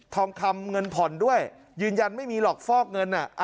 ทองคำเงินผ่อนด้วยยืนยันไม่มีหรอกฟอกเงิน